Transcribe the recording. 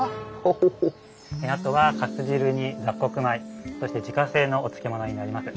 あとはかす汁に雑穀米そして自家製のお漬物になります。